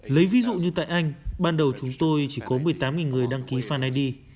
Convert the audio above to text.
lấy ví dụ như tại anh ban đầu chúng tôi chỉ có một mươi tám người đăng ký fannid